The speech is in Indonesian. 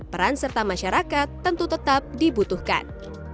peran serta masyarakat tentu tetap dibutuhkan